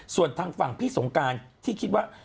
ส่วนทางฝั่งพี่สงการที่คิดว่า